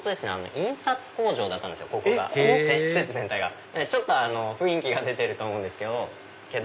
へぇちょっと雰囲気が出てると思うんですけど。